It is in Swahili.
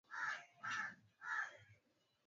Anakula sana